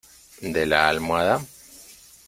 de la almohada?